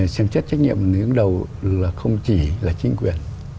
xem xét trách nhiệm người đứng đầu là không chỉ là chính quyền